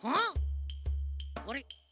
あれ？